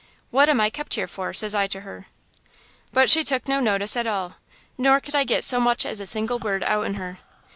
"'What am I kept here for?' says I to her. "But she took no notice at all; nor could I get so much as a single word outen her.